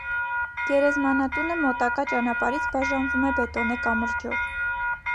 Գերեզմանատունը մոտակա ճանապարհից բաժանվում է բետոնե կամրջով։